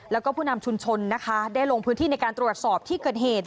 แล้วก็ผู้นำชุมชนนะคะได้ลงพื้นที่ในการตรวจสอบที่เกิดเหตุ